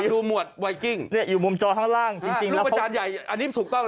ถึงแม้ว่าคนอาจจะไม่พอใจบ้าง